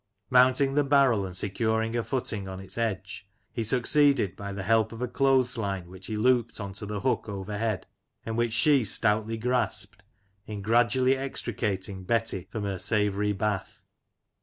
Mounting the barrel and securing a footing on its edge, he succeeded, by the help of a clothes line which he looped on to the hook overhead, and which she stoutly grasped, in gradually extricating Betty from her savoury bath.